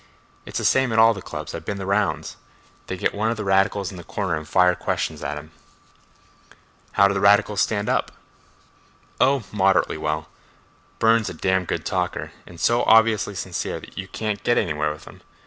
It's the same at all the clubs; I've been the rounds. They get one of the radicals in the corner and fire questions at him." "How do the radicals stand up?" "Oh, moderately well. Burne's a damn good talker, and so obviously sincere that you can't get anywhere with him.